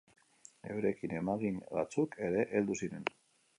Eurekin emagin batzuk ere heldu ziren.